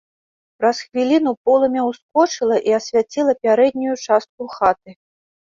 Праз хвіліну полымя ўскочыла і асвяціла пярэднюю частку хаты.